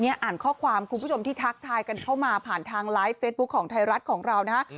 อ่านข้อความคุณผู้ชมที่ทักทายกันเข้ามาผ่านทางไลฟ์เฟซบุ๊คของไทยรัฐของเรานะฮะ